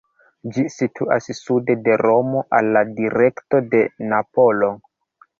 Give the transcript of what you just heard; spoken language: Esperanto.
Ĝi situas sude de Romo, al la direkto de Napolo.